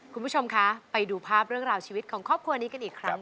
คุณผู้ชมคะไปดูภาพเรื่องราวชีวิตของครอบครัวนี้กันอีกครั้ง